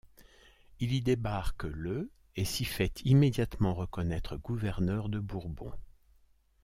Il y débarque le et s'y fait immédiatement reconnaître gouverneur de Bourbon.